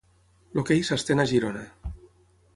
L'hoquei s'estén a Girona.